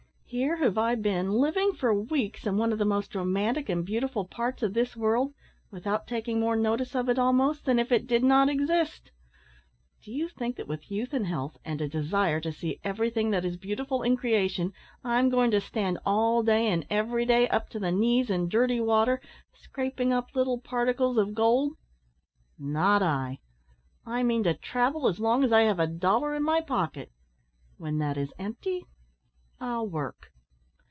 Here have I been living for weeks in one of the most romantic and beautiful parts of this world, without taking more notice of it, almost, than if it did not exist. Do you think that with youth and health, and a desire to see everything that is beautiful in creation, I'm going to stand all day and every day up to the knees in dirty water, scraping up little particles of gold? Not I! I mean to travel as long as I have a dollar in my pocket; when that is empty, I'll work."